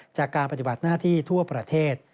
จากการปฏิบัติหน้าที่ทั่วประเทศ